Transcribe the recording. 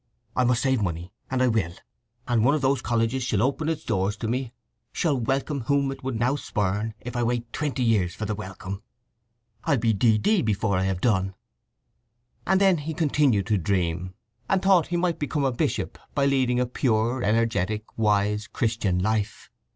I must save money, and I will; and one of those colleges shall open its doors to me—shall welcome whom now it would spurn, if I wait twenty years for the welcome. "I'll be D.D. before I have done!" And then he continued to dream, and thought he might become even a bishop by leading a pure, energetic, wise, Christian life.